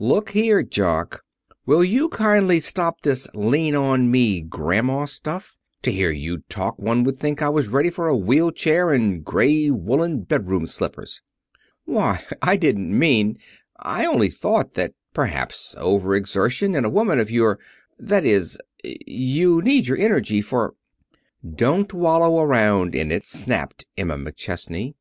"Look here, Jock! Will you kindly stop this lean on me grandma stuff! To hear you talk one would think I was ready for a wheel chair and gray woolen bedroom slippers." "Why, I didn't mean I only thought that perhaps overexertion in a woman of your That is, you need your energy for " "Don't wallow around in it," snapped Emma McChesney.